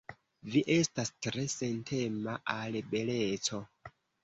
Vi estas tre sentema al beleco.